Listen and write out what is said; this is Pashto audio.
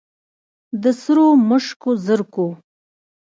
د سرو مشوکو زرکو